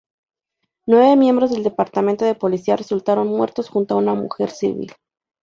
Nueve miembros del Departamento de Policía resultaron muertos, junto a una mujer civil.